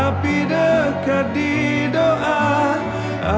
tapi dekat di doa